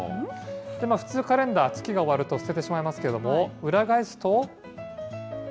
普通、カレンダー月が終わると、捨ててしまいますけれども、裏返すと。